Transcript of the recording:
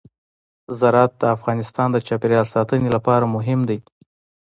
زراعت د افغانستان د چاپیریال ساتنې لپاره مهم دي.